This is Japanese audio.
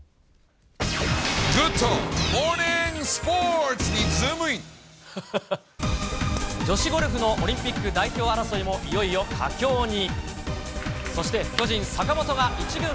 ぐっ！とモーニングスポーツ女子ゴルフのオリンピック代表争いもいよいよ佳境に。